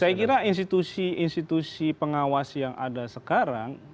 saya kira institusi institusi pengawas yang ada sekarang